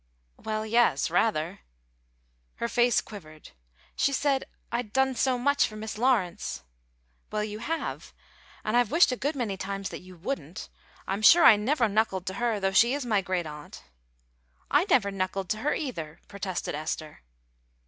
"Well, yes, rather." Her face quivered. "She said I'd done so much for Mis' Lawrence " "Well, you have, and I've wished a good many times that you wouldn't. I'm sure I never knuckled to her, though she is my great aunt." "I never knuckled to her, either," protested Esther.